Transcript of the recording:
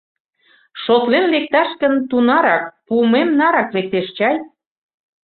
Шотлен лекташ гын, тунарак, пуымем нарак, лектеш чай.